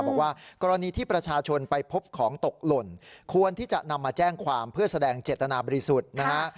บอกว่ากรณีที่ประชาชนไปพบของตกหล่นควรที่จะนำมาแจ้งความเพื่อแสดงเจตนาบริสุทธิ์นะฮะ